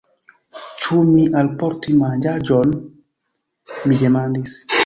Ĉu mi alportu manĝaĵon? mi demandis.